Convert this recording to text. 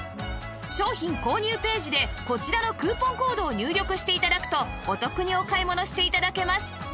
商品購入ページでこちらのクーポンコードを入力して頂くとお得にお買い物して頂けます